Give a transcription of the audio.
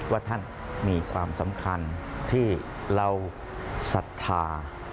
ว่าท่านมีความสำคัญที่เราศรัทธา